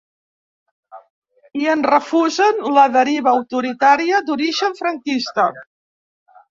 I en refusen la ‘deriva autoritària d’origen franquista’.